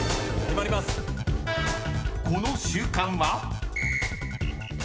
［この習慣は？］